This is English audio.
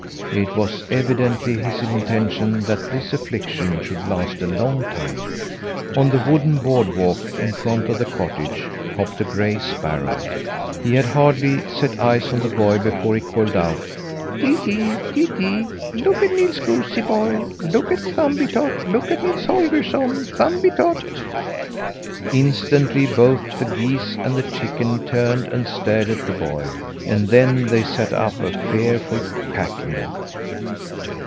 It was evidently his intention that this affliction should last a long time. On the wooden board walk in front of the cottage, hopped a gray sparrow. He had hardly set eyes on the boy before he called out: "Teetee! Teetee! Look at Nils goosey boy! Look at Thumbietot! Look at Nils Holgersson Thumbietot!" Instantly, both the geese and the chickens turned and stared at the boy; and then they set up a fearful cackling.